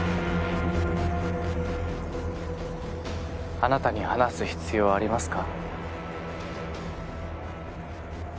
あなたに話す必要ありますか？